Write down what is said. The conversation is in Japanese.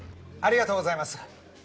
ありがとうございます。